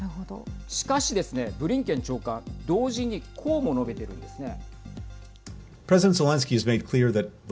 しかしですね、ブリンケン長官同時にこうも述べているんですね。